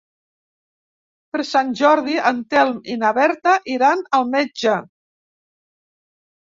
Per Sant Jordi en Telm i na Berta iran al metge.